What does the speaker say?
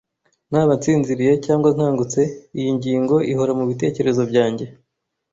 Naba nsinziriye cyangwa nkangutse, iyi ngingo ihora mubitekerezo byanjye.